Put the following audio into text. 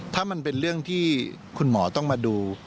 ถ้ามันเป็นเรื่องที่คุณหมอต้องมาดู